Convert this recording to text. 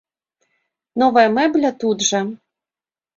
Новая мэбля тут жа.